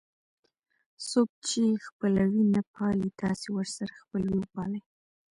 څوک چې خپلوي نه پالي تاسې ورسره خپلوي وپالئ.